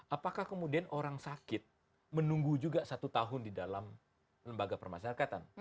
apakah kemudian orang sakit menunggu juga satu tahun di dalam lembaga permasyarakatan